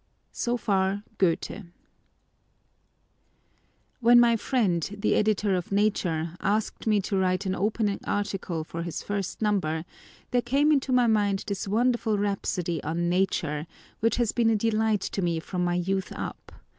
So far Goethe. When my friend, the Editor of Nature, asked me to write an opening article for his first number, there came into my mind this wonderful rhapsody on “Nature,” which has been a delight to me from my youth up.